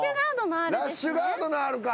ラッシュガードのＲか。